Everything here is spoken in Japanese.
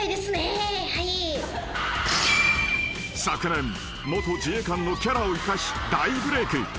［昨年元自衛官のキャラを生かし大ブレーク］